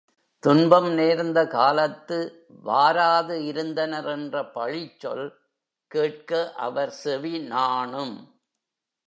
துன்பம் நேர்ந்த காலத்து வாராது இருந்தனர் என்ற பழிச்சொல் கேட்க அவர் செவி நாணும்.